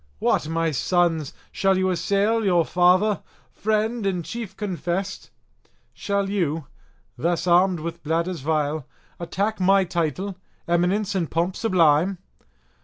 what, my sons, shall you assail your father, friend, and chief confessed? Shall you, thus armed with bladders vile, attack my title, eminence, and pomp sublime?